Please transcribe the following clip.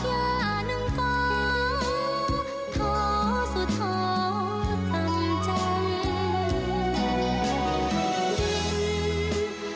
เพียงดอกยานึงก็ท้อสุทธตำจัง